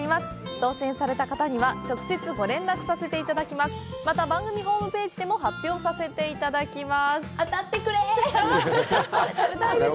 当せんされた方には、直接ご連絡させていただきます。